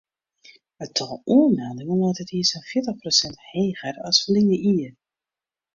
It tal oanmeldingen leit dit jier sa'n fjirtich prosint heger as ferline jier.